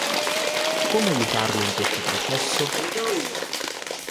Come aiutarle in questo processo?